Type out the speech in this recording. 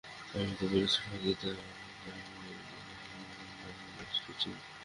আমি তো বলেইছি, ফাঁকিতে আমার পেট ভরবে না–আমি বস্তু চিনি।